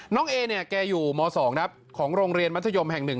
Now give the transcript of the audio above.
น้องเออยู่ม๒ของโรงเรียนมัธยมแห่งหนึ่ง